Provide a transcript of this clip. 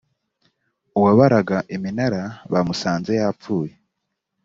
uwabaraga iminara bamusanze yapfuye